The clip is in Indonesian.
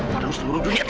padahal seluruh dunia tahu